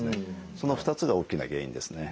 その２つが大きな原因ですね。